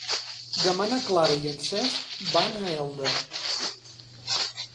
Demà na Clara i en Cesc van a Elda.